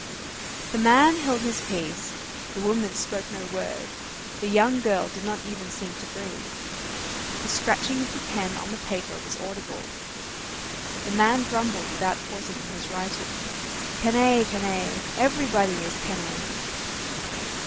The man held his peace, the woman spoke no word, the young girl did not even seem to breathe. The scratching of the pen on the paper was audible. The man grumbled, without pausing in his writing. "Canaille! canaille! everybody is canaille!"